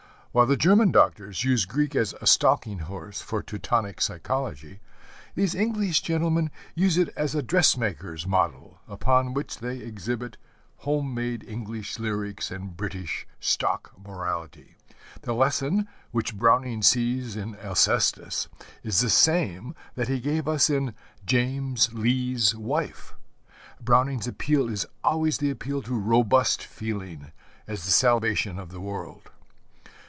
While the German Doctors use Greek as a stalking horse for Teutonic psychology, these English gentlemen use it as a dressmaker's model upon which they exhibit home made English lyrics and British stock morality. The lesson which Browning sees in Alcestis is the same that he gave us in James Lee's Wife. Browning's appeal is always the appeal to robust feeling as the salvation of the world.